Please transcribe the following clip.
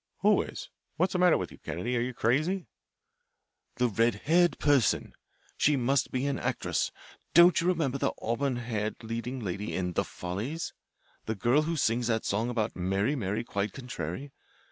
"Who is? What's the matter with you, Kennedy? Are you crazy?" "The red haired person she must be an actress. Don't you remember the auburn haired leading lady in the 'Follies' the girl who sings that song about 'Mary, Mary, quite contrary'?